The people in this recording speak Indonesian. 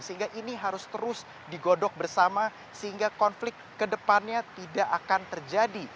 sehingga ini harus terus digodok bersama sehingga konflik ke depannya tidak akan terjadi